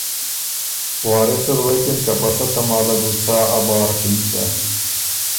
وارث ال غوېکِن که ”په سۀ تماله بُو څا ا بار ټینګ سۀ؟“